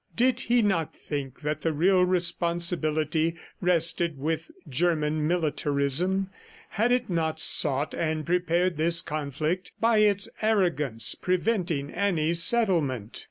"Did he not think that the real responsibility rested with German militarism? Had it not sought and prepared this conflict, by its arrogance preventing any settlement?"